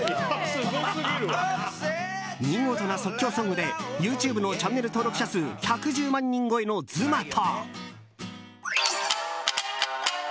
見事な即興ソングでＹｏｕＴｕｂｅのチャンネル登録者数１１０万人超えの、ずまと。